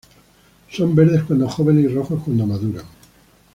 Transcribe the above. Son verdes cuando jóvenes y rojos cuando maduran.